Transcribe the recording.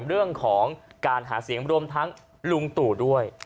เรื่องของการหาเสียงรวมทั้งลุงตู่ด้วย